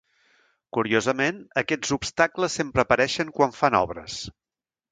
Curiosament, aquests obstacles sempre apareixen quan fan obres.